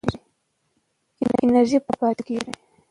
انرژي پاکه پاتې کېږي.